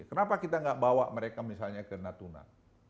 kenapa kita nggak bawa mereka misalnya ke natuna